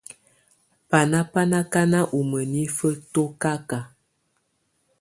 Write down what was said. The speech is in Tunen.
Baná ba na kaná u mənifə tɔ́kaka.